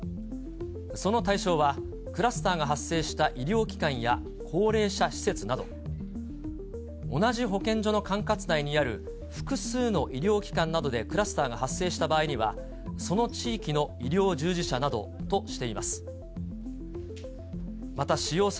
その対象はクラスターが発生した医療機関や高齢者施設など、同じ保健所の管轄内にある、複数の医療機関などでクラスターが発生した場合には、その地域の医療従事者などとしています。